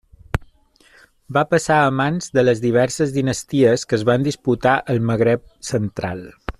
Va passar a mans de les diverses dinasties que es van disputar el Magreb central.